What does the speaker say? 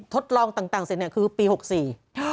ทดลองต่างเสร็จคือปี๖๔